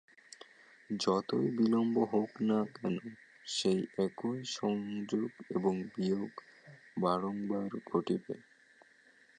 যতই বিলম্ব হউক না কেন, সেই একই সংযোগ এবং বিয়োগ বারংবার ঘটিবে।